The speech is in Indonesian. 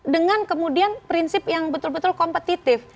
dengan kemudian prinsip yang betul betul kompetitif